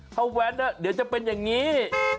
ถ้าแว้นเดี๋ยวจะเป็นอย่างนี้